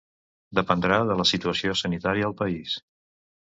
Dependrà de la situació sanitària al país.